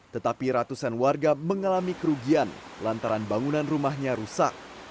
tetapi ratusan warga mengalami kerugian lantaran bangunan rumahnya rusak